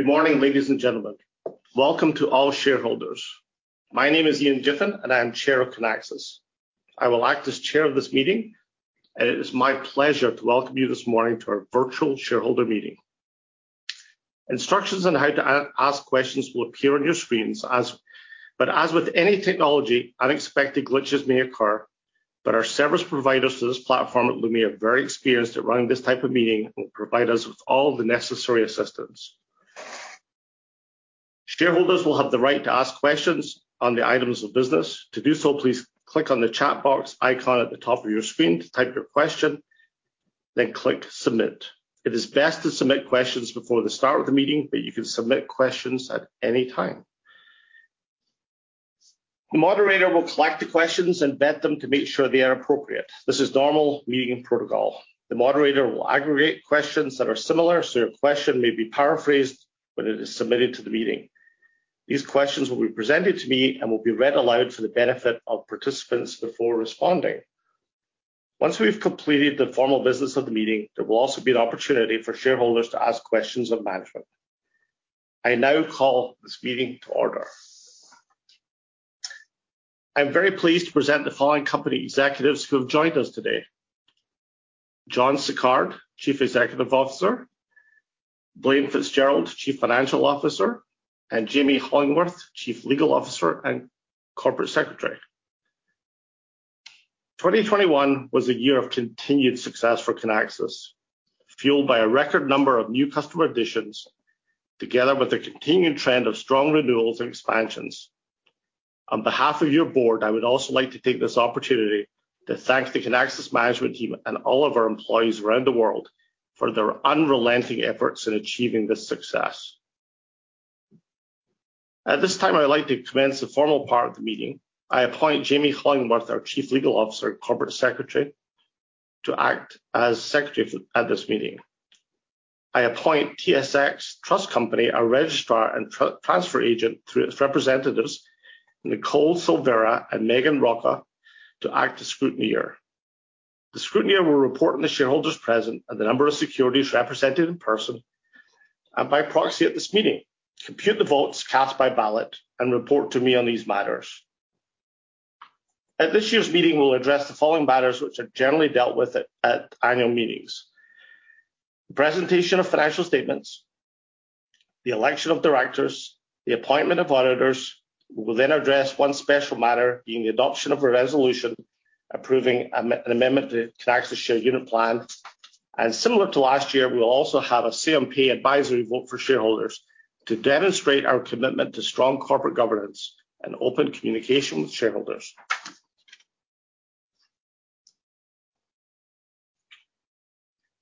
Good morning, ladies and gentlemen. Welcome to all shareholders. My name is Ian Giffen, and I'm Chair of Kinaxis. I will act as chair of this meeting, and it is my pleasure to welcome you this morning to our virtual shareholder meeting. Instructions on how to ask questions will appear on your screens. As with any technology, unexpected glitches may occur, but our service providers to this platform at Lumi are very experienced at running this type of meeting and will provide us with all the necessary assistance. Shareholders will have the right to ask questions on the items of business. To do so, please click on the chat box icon at the top of your screen to type your question, then click Submit. It is best to submit questions before the start of the meeting, but you can submit questions at any time. The moderator will collect the questions and vet them to make sure they are appropriate. This is normal meeting protocol. The moderator will aggregate questions that are similar, so your question may be paraphrased when it is submitted to the meeting. These questions will be presented to me and will be read aloud for the benefit of participants before responding. Once we've completed the formal business of the meeting, there will also be an opportunity for shareholders to ask questions of management. I now call this meeting to order. I'm very pleased to present the following company executives who have joined us today. John Sicard, Chief Executive Officer, Blaine Fitzgerald, Chief Financial Officer, and Jamie Hollingworth, Chief Legal Officer and Corporate Secretary. 2021 was a year of continued success for Kinaxis, fueled by a record number of new customer additions together with the continued trend of strong renewals and expansions. On behalf of your board, I would also like to take this opportunity to thank the Kinaxis management team and all of our employees around the world for their unrelenting efforts in achieving this success. At this time, I'd like to commence the formal part of the meeting. I appoint Jamie Hollingworth, our Chief Legal Officer, Corporate Secretary, to act as Secretary at this meeting. I appoint TSX Trust Company, our Registrar and Transfer Agent through its representatives, Nicole Silvera and Megan Rocha, to act as scrutineer. The scrutineer will report on the shareholders present and the number of securities represented in person and by proxy at this meeting, compute the votes cast by ballot, and report to me on these matters. At this year's meeting, we'll address the following matters which are generally dealt with at annual meetings. Presentation of financial statements, the election of directors, the appointment of auditors. We will then address one special matter being the adoption of a resolution approving an amendment to Kinaxis Share Unit Plan. Similar to last year, we will also have a say-on-pay advisory vote for shareholders to demonstrate our commitment to strong corporate governance and open communication with shareholders.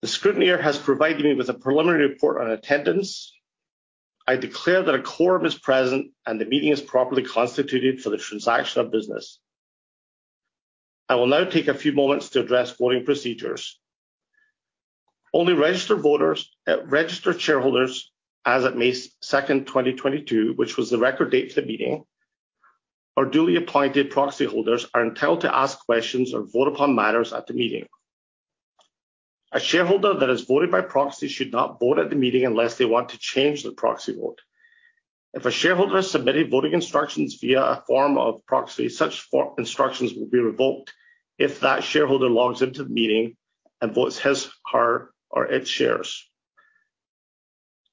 The scrutineer has provided me with a preliminary report on attendance. I declare that a quorum is present and the meeting is properly constituted for the transaction of business. I will now take a few moments to address voting procedures. Only registered voters, registered shareholders as at May 2, 2022, which was the record date for the meeting, or duly appointed proxyholders are entitled to ask questions or vote upon matters at the meeting. A shareholder that has voted by proxy should not vote at the meeting unless they want to change their proxy vote. If a shareholder has submitted voting instructions via a form of proxy, such instructions will be revoked if that shareholder logs into the meeting and votes his, her, or its shares.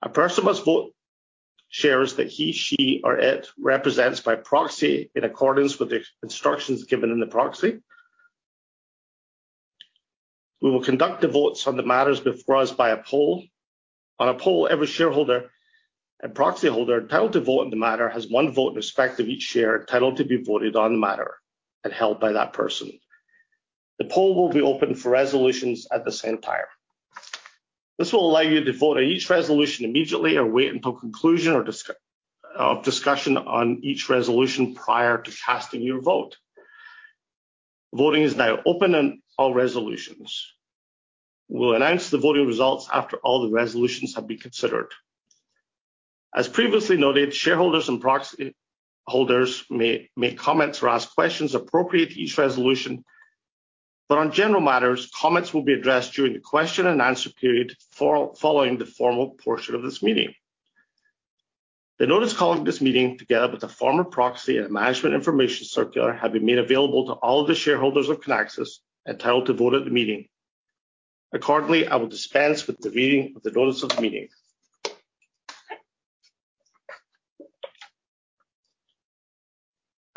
A person must vote shares that he, she or it represents by proxy in accordance with the instructions given in the proxy. We will conduct the votes on the matters before us by a poll. On a poll, every shareholder and proxyholder entitled to vote in the matter has one vote in respect of each share entitled to be voted on the matter and held by that person. The poll will be open for resolutions at the same time. This will allow you to vote on each resolution immediately or wait until conclusion or discussion on each resolution prior to casting your vote. Voting is now open on all resolutions. We'll announce the voting results after all the resolutions have been considered. As previously noted, shareholders and proxy holders may make comments or ask questions appropriate to each resolution, but on general matters, comments will be addressed during the question and answer period following the formal portion of this meeting. The notice calling this meeting, together with the form of proxy and management information circular, have been made available to all of the shareholders of Kinaxis entitled to vote at the meeting. Accordingly, I will dispense with the reading of the notice of the meeting.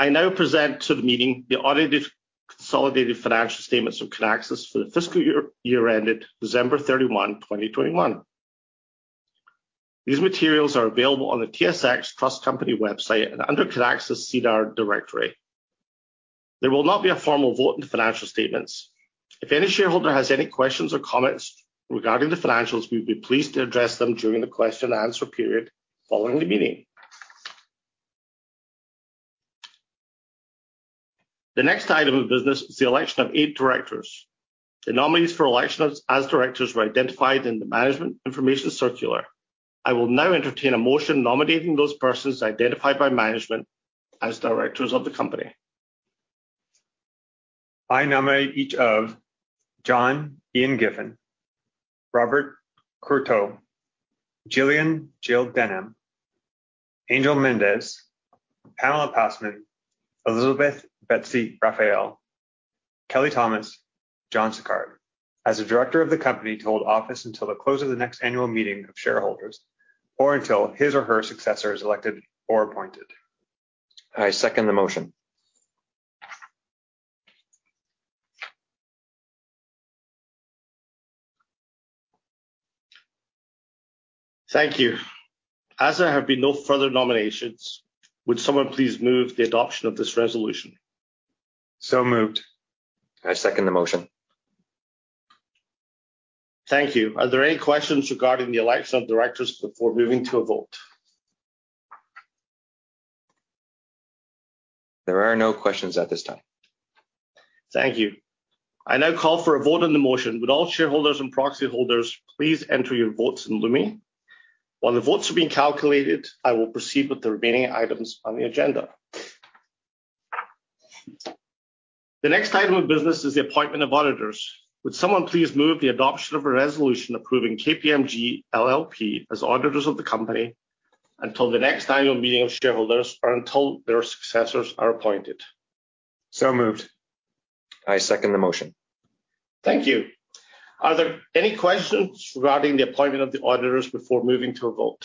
I now present to the meeting the audited consolidated financial statements of Kinaxis for the fiscal year ended December 31, 2021. These materials are available on the TSX Trust Company website and under Kinaxis SEDAR directory. There will not be a formal vote on the financial statements. If any shareholder has any questions or comments regarding the financials, we would be pleased to address them during the question and answer period following the meeting. The next item of business is the election of eight directors. The nominees for election as directors were identified in the management information circular. I will now entertain a motion nominating those persons identified by management as directors of the company. I nominate each of John Ian Giffen, Robert Courteau, Jill Denham, Angel Mendez, Pamela Passman, Betsy Rafael, Kelly Thomas, John Sicard as a director of the company to hold office until the close of the next annual meeting of shareholders, or until his or her successor is elected or appointed. I second the motion. Thank you. As there have been no further nominations, would someone please move the adoption of this resolution? Moved. I second the motion. Thank you. Are there any questions regarding the election of directors before moving to a vote? There are no questions at this time. Thank you. I now call for a vote on the motion. Would all shareholders and proxy holders please enter your votes in Lumi? While the votes are being calculated, I will proceed with the remaining items on the agenda. The next item of business is the appointment of auditors. Would someone please move the adoption of a resolution approving KPMG LLP as auditors of the company until the next annual meeting of shareholders or until their successors are appointed? Moved. I second the motion. Thank you. Are there any questions regarding the appointment of the auditors before moving to a vote?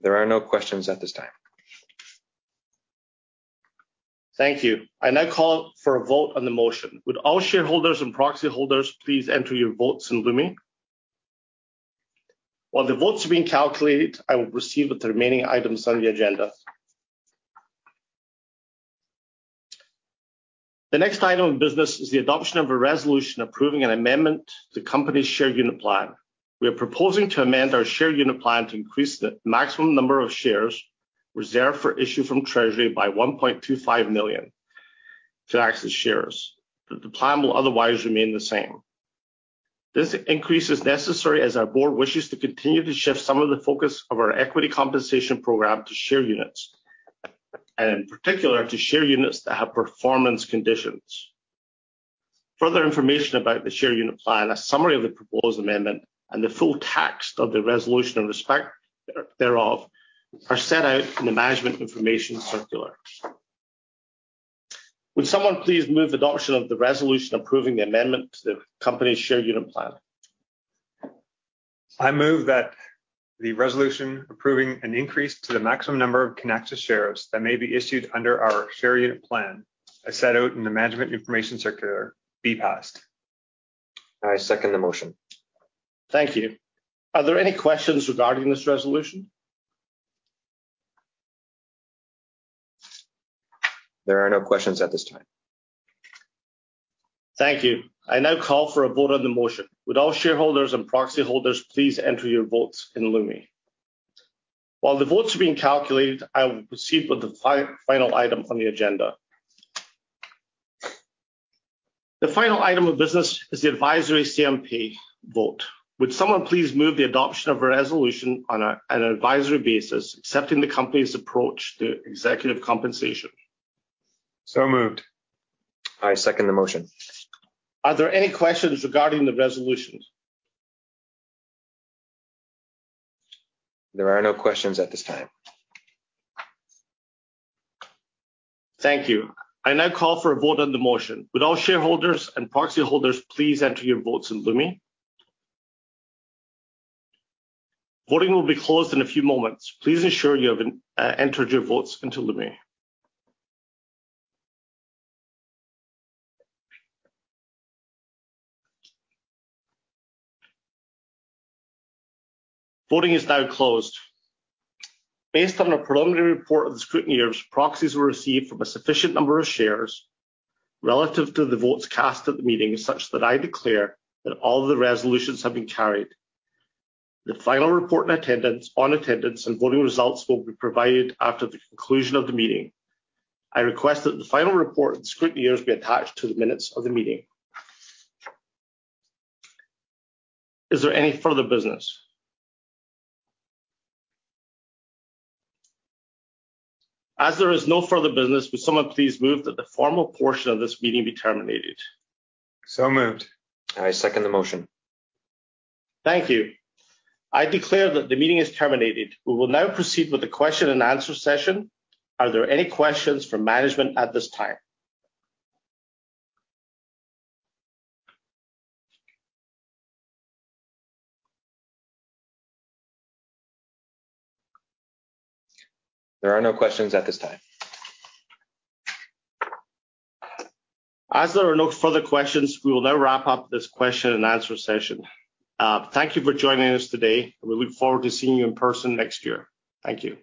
There are no questions at this time. Thank you. I now call for a vote on the motion. Would all shareholders and proxy holders please enter your votes in Lumi? While the votes are being calculated, I will proceed with the remaining items on the agenda. The next item of business is the adoption of a resolution approving an amendment to the company's Share Unit Plan. We are proposing to amend our Share Unit Plan to increase the maximum number of shares reserved for issue from treasury by 1.25 million Kinaxis shares. The plan will otherwise remain the same. This increase is necessary as our board wishes to continue to shift some of the focus of our equity compensation program to share units, and in particular, to share units that have performance conditions. Further information about the Share Unit Plan, a summary of the proposed amendment, and the full text of the resolution in respect thereof, are set out in the management information circular. Would someone please move adoption of the resolution approving the amendment to the company's Share Unit Plan? I move that the resolution approving an increase to the maximum number of Kinaxis shares that may be issued under our Share Unit Plan, as set out in the management information circular, be passed. I second the motion. Thank you. Are there any questions regarding this resolution? There are no questions at this time. Thank you. I now call for a vote on the motion. Would all shareholders and proxy holders please enter your votes in Lumi? While the votes are being calculated, I will proceed with the final item on the agenda. The final item of business is the advisory say-on-pay vote. Would someone please move the adoption of a resolution on an advisory basis, accepting the company's approach to executive compensation. Moved. I second the motion. Are there any questions regarding the resolutions? There are no questions at this time. Thank you. I now call for a vote on the motion. Would all shareholders and proxy holders please enter your votes in Lumi? Voting will be closed in a few moments. Please ensure you have entered your votes into Lumi. Voting is now closed. Based on a preliminary report of the scrutineers, proxies were received from a sufficient number of shares relative to the votes cast at the meeting, such that I declare that all the resolutions have been carried. The final report on attendance and voting results will be provided after the conclusion of the meeting. I request that the final report of the scrutineers be attached to the minutes of the meeting. Is there any further business? As there is no further business, would someone please move that the formal portion of this meeting be terminated. Moved. I second the motion. Thank you. I declare that the meeting is terminated. We will now proceed with the question and answer session. Are there any questions from management at this time? There are no questions at this time. As there are no further questions, we will now wrap up this question and answer session. Thank you for joining us today, and we look forward to seeing you in person next year. Thank you.